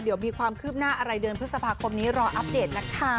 เดี๋ยวมีความคืบหน้าอะไรเดือนพฤษภาคมนี้รออัปเดตนะคะ